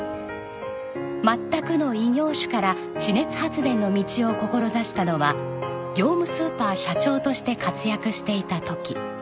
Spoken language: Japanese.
全くの異業種から地熱発電の道を志したのは業務スーパー社長として活躍していた時。